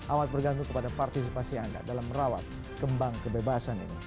amat bergantung kepada partisipasi anda dalam merawat kembang kebebasan ini